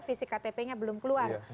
fisik ktp nya belum keluar